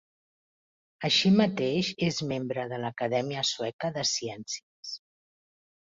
Així mateix és membre de l'Acadèmia Sueca de Ciències.